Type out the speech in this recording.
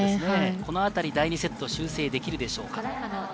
このあたり第２セット、修正できるでしょうか？